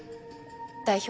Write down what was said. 代表